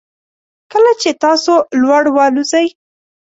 کله چې تاسو لوړ والوځئ